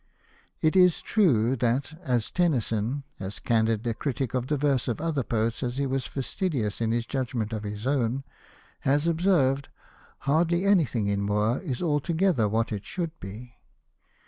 It is true that, as Tennyson (as candid a critic of the verse of other poets as he was fastidious in his judgment of his own), has observed, " hardly anything in Moore is altogether what it should be."